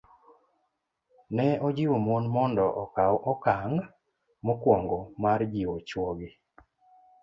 Ne ojiwo mon mondo okaw okang' mokwongo mar jiwo chwogi